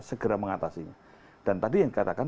segera mengatasinya dan tadi yang katakan